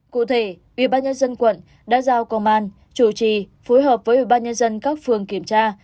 cụ thể ủy ban nhân dân quận đã giao công an chủ trì phối hợp với ủy ban nhân dân các phương kiểm tra